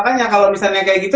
makanya kalau misalnya kayak gitu